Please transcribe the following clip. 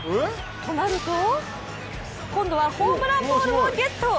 となると、今度はホームランボールをゲット。